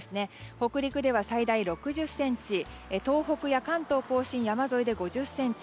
北陸では最大６０ｃｍ東北や関東・甲信山沿いで５０ｃｍ